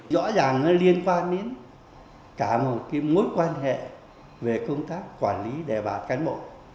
rõ ràng liên quan đến cả một mối quan hệ về công tác quản lý đề bạc cán bộ